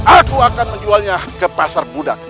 aku akan menjualnya ke pasar budak